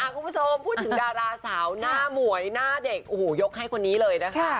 คุณผู้ชมพูดถึงดาราสาวหน้าหมวยหน้าเด็กโอ้โหยกให้คนนี้เลยนะคะ